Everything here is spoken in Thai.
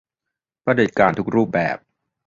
เผด็จการทุกรูปแบบ